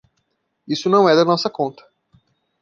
Isso não é da nossa conta.